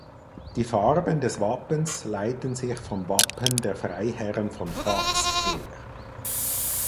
Die Farben des Wappens leiten sich vom Wappen der Freiherren von Vaz her.